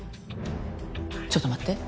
ちょっと待って。